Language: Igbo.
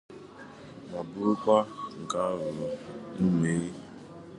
ma bụrụkwa nke a rụrụ n'Ụmụeri